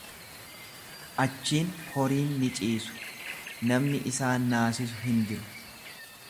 Achiin horiin ni ciisu, namni isaan naasisu hin jiru.